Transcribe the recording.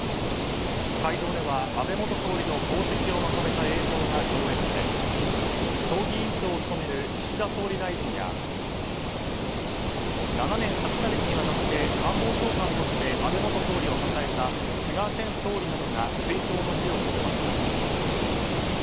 会場では安倍元総理の功績をまとめた映像が上映され葬儀委員長を務める岸田総理大臣や７年８か月にわたって官房長官として安倍元総理を支えた菅前総理などが追悼の辞を述べました。